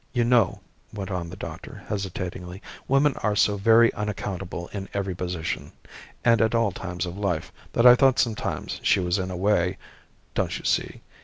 You know," went on the doctor, hesitatingly, "women are so very unaccountable in every position, and at all times of life, that I thought sometimes she was in a way, don't you see?